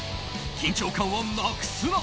緊張感はなくすな。